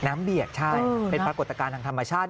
เบียดใช่เป็นปรากฏการณ์ทางธรรมชาติ